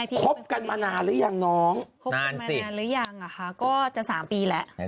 พบกันมานานหรือยังอ่ะค่ะก็จะ๓ปีแล้ว